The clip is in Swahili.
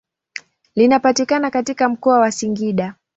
Linapatikana katika mkoa wa Singida.